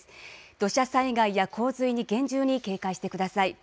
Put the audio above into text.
土砂災害や洪水に厳重に警戒してください。